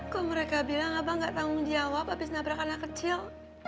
kok mereka bilang abang gak tanggung jawab habis nabrak anak kecil